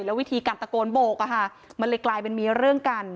วิธีการตะโกนโบกมันเลยกลายเป็นมีเรื่องกัน